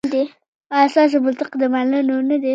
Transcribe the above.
ایا ستاسو منطق د منلو نه دی؟